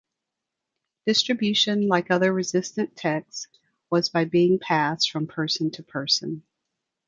Distribution, like other Resistance texts, was by being passed from person to person.